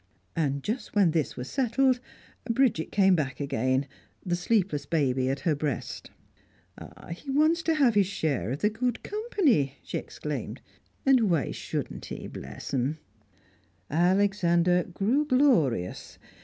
And just when this was settled, Bridget came back again, the sleepless baby at her breast. "He wants to have his share of the good company," she exclaimed. "And why shouldn't he, bless um!" Alexander grew glorious.